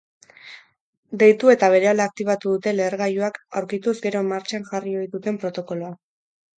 Deitu eta berehala aktibatu dute lehergailuak aurkituz gero martxan jarri ohi duten protokoloa.